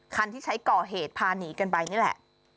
คันที่ใช้ก่อเหตุพาหนีกันไปนี่แหละ